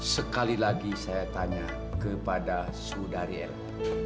sekali lagi saya tanya kepada sodari ella